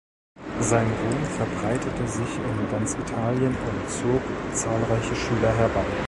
Sein Ruhm verbreitete sich in ganz Italien und zog zahlreiche Schüler herbei.